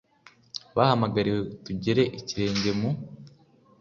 bahamagariwe, tugera ikirenge mu